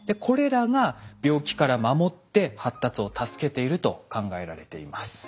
これらが病気から守って発達を助けていると考えられています。